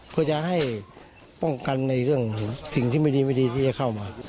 เพื่อจะให้ป้องกันในเรื่องสิ่งที่ไม่ดีไม่ดีที่จะเข้ามา